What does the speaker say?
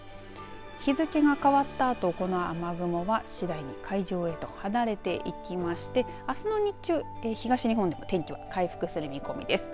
日付が変わった後この雨雲は次第に海上へと離れていきましてあすの日中、東日本は天気は回復する見込みです。